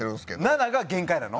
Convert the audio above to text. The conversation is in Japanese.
７が限界なの？